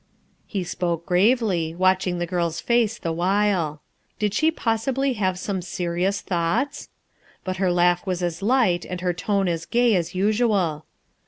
He spoke gravely, watching the girl's face the while. Did she possibly have some serious thoughts? But her laugh was as light and her tone as gay as usual.